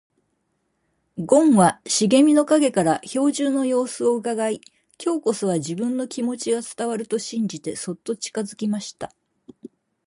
ごんは茂みの影から兵十の様子をうかがい、今日こそは自分の気持ちが伝わると信じてそっと近づきました。